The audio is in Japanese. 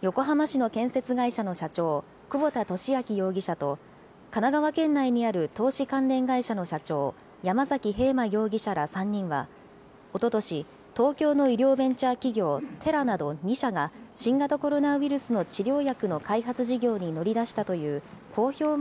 横浜市の建設会社の社長、久保田俊明容疑者と、神奈川県内にある投資関連会社の社長、山崎平馬容疑者ら３人は、おととし、東京の医療ベンチャー企業、テラなど２社が、新型コロナウイルスの治療薬の開発事業に乗り出したという公表